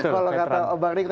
kalau kata bang riko